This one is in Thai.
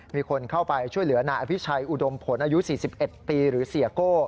มีคนเข้าไปช่วยเหลือนายอภิชัยอุดมผลอายุ๔๑ปีหรือเสียโก้